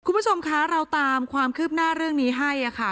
คุณผู้ชมคะเราตามความคืบหน้าเรื่องนี้ให้ค่ะ